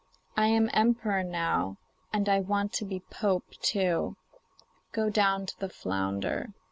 I am emperor now, and I want to be pope too; go down to the flounder.